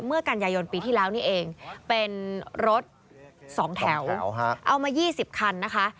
เมื่อกันยายนปีที่แล้วนี่เองเป็นรถ๒แถวเอามา๒๐คันนะคะ